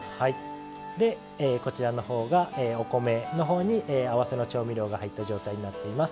でこちらのほうがお米のほうに合わせの調味料が入った状態になっています。